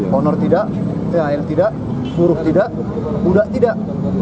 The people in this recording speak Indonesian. honor tidak tar tidak huruf tidak budak tidak